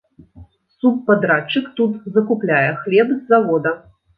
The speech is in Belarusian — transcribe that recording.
Субпадрадчык тут закупляе хлеб з завода.